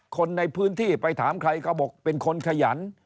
คนในพื้นที่ไปถามใครก็บอกเป็นคนขยัน